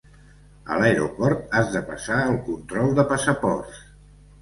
A l’aeroport has de passar el control de passaports.